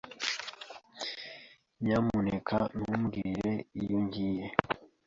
Nyamuneka ntumbwire iyo ngiye.